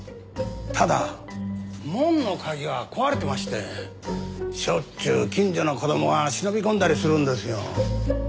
ただ門の鍵が壊れてましてしょっちゅう近所の子供が忍び込んだりするんですよ。